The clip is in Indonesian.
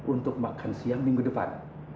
untuk makan siang minggu depan